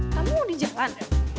kamu mau di jalan